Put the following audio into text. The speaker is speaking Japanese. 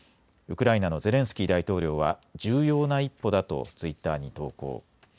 ウクライナのゼレンスキー大統領は重要な一歩だとツイッターに投稿。